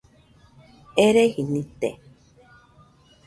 Ereji nite